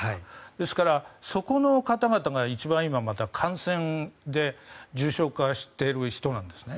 ですから、そこの方々が今、また感染で重症化している人なんですね。